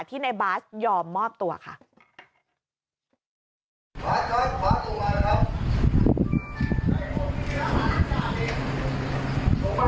ที่ในบาสยอมมอบตัวค่ะ